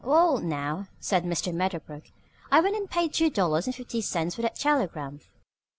"Well, now," said Mr. Medderbrook, "I went and paid two dollars and fifty cents for that telegram.